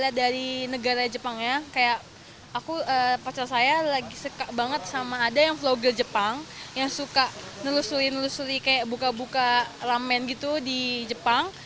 saya suka dengan pemerintah jepang ya kayak pacar saya suka banget sama ada yang vlogger jepang yang suka nelusuri nelusuri kayak buka buka ramen gitu di jepang